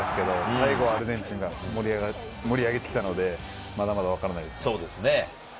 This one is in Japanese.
最後はアルゼンチンが盛り上げてきたので、まだまだわからないですね。